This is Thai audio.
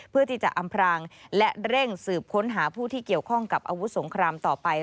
เพื่อที่จะอำพรางและเร่งสืบค้นหาผู้ที่เกี่ยวข้องกับอาวุธสงครามต่อไป